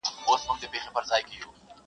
• سمدلاه یې و سپي ته قبر جوړ کی..